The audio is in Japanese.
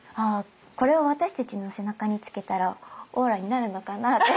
これを私たちの背中につけたらオーラになるのかなって。